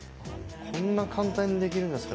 こんな簡単にできるんだったら。